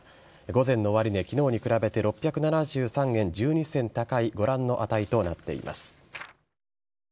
午前の終値、昨日に比べて６７３円１２銭高いご覧の値となっています。